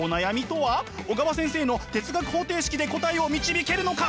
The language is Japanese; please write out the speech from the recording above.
小川先生の哲学方程式で答えを導けるのか！？